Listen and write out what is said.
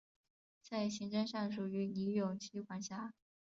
在行政上属于尼永区管辖。